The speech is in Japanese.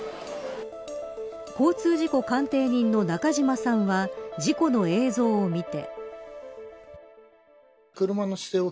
交通事故鑑定人の中島さんは事故の映像を見て。